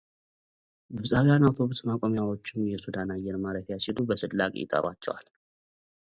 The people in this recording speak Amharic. ግብጻውያን አውቶብስ ማቆሚያዎቹን የሱዳን አየር ማረፊያ ሲሉ በስላቅ ይጠሯቸዋል።